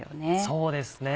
そうですね。